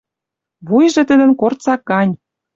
Вуйжы тӹдӹн корцак гань